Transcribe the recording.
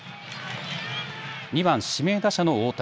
２番・指名打者の大谷。